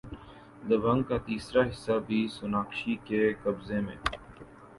دبنگ کا تیسرا حصہ بھی سوناکشی کے قبضے میں